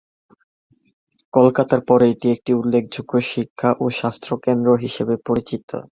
কলকাতার পরে এটি একটি উল্লেখযোগ্য শিক্ষা ও স্বাস্থ্য কেন্দ্র হিসাবে পরিচিত।